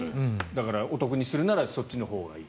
だからお得にするならそっちのほうがいい。